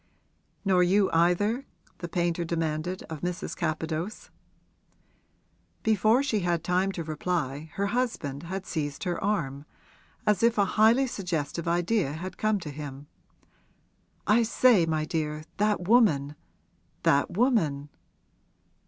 'Nor you either?' the painter demanded of Mrs. Capadose. Before she had time to reply her husband had seized her arm, as if a highly suggestive idea had come to him. 'I say, my dear, that woman that woman!'